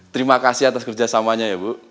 terima kasih atas kerjasamanya ya bu